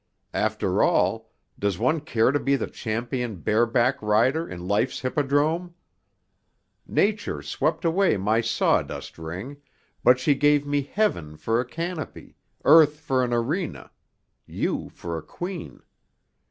After all, does one care to be the champion bareback rider in life's hippodrome? Nature swept away my sawdust ring, but she gave me heaven for a canopy, earth for an arena, you for a queen.